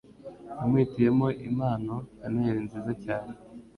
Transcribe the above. Yamuhitiyemo impano ya Noheri nziza cyane